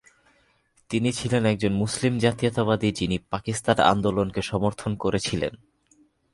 তিনি ছিলেন একজন মুসলিম জাতীয়তাবাদী, যিনি পাকিস্তান আন্দোলনকে সমর্থন করেছিলেন।